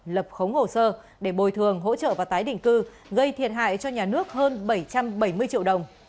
lập khống hồ sơ để bồi thường hỗ trợ và tái định cư gây thiệt hại cho nhà nước hơn bảy trăm bảy mươi triệu đồng